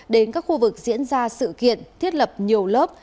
đến các khu vực diễn ra sự kiện thiết lập nhiều lớp